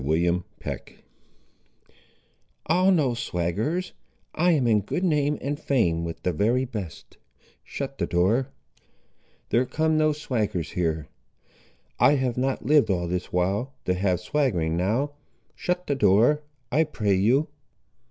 CHAPTER XXVII I'll no swaggerers: I am in good name and fame with the very best:—shut the door;—there come no swaggerers here: I have not lived all this while, to have swaggering now: shut the door, I pray you.